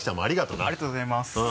ありがとうございます。